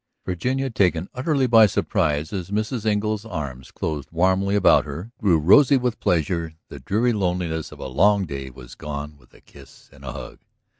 Virginia, taken utterly by surprise as Mrs. Engle's arms closed warmly about her, grew rosy with pleasure; the dreary loneliness of a long day was gone with a kiss and a hug.